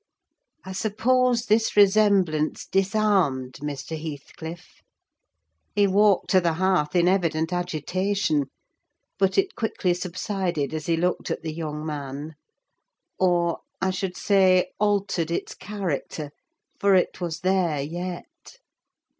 I suppose this resemblance disarmed Mr. Heathcliff: he walked to the hearth in evident agitation; but it quickly subsided as he looked at the young man: or, I should say, altered its character; for it was there yet.